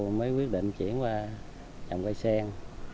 rồi mới quyết định chuyển qua trồng cây sen